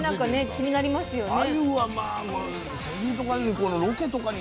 気になりますね。